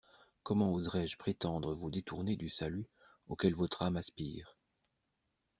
Comment oserais-je prétendre vous détourner du salut auquel votre âme aspire?